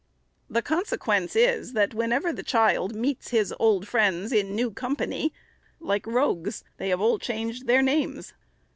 The consequence is, that whenever the child meets his old friends in new company, like rogues, they have 522 THE SECRETARY'S all changed their names.